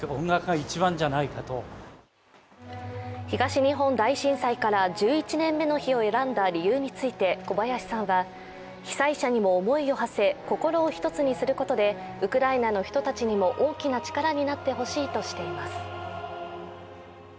東日本大震災から１１年目の日を選んだ理由について小林さんは被災者にも思いをはせ、心を一つにすることでウクライナの人たちにも大きな力になってほしいとしています。